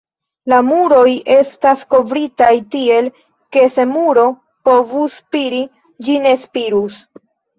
La muroj estas kovritaj tiel, ke se muro povus spiri, ĝi ne spirus.